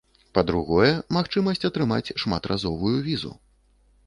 Па-другое, магчымасць атрымаць шматразовую візу.